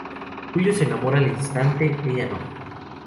Julio se enamora al instante, ella no.